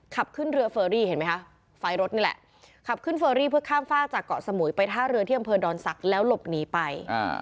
ขับขึ้นเรือเฟอรี่เห็นไหมคะไฟรถนี่แหละขับขึ้นเฟอรี่เพื่อข้ามฝ้าจากเกาะสมุยไปท่าเรือที่อำเภอดอนศักดิ์แล้วหลบหนีไป